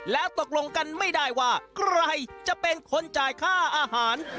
แล้วตกลงกันไม่ได้ว่าใครจะเป็นคนจ่ายค่าอาหาร